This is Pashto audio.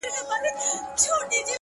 موږه تل د نورو پر پلو پل ږدو حرکت کوو’